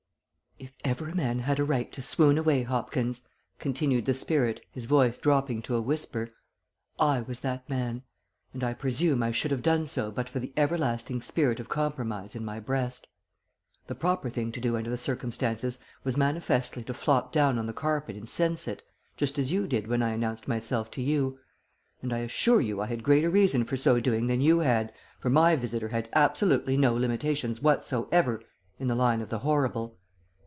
"IF ever a man had a right to swoon away, Hopkins," continued the spirit, his voice dropping to a whisper, "I was that man, and I presume I should have done so but for the everlasting spirit of compromise in my breast. The proper thing to do under the circumstances was manifestly to flop down on the carpet insensate, just as you did when I announced myself to you; and I assure you I had greater reason for so doing than you had, for my visitor had absolutely no limitations whatsoever in the line of the horrible.